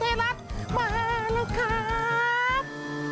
มาแล้วค่าาาาาาาาาะ